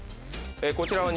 こちらは。